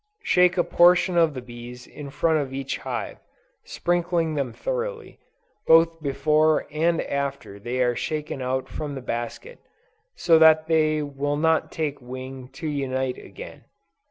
Shake a portion of the bees in front of each hive, sprinkling them thoroughly, both before and after they are shaken out from the basket, so that they will not take wing to unite again.